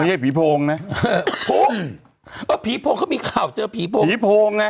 มันไม่ใช่ผีโพงนะเพราะผีโพงเขามีข่าวเจอผีโพงผีโพงไง